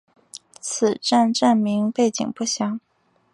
此站站名背景不详。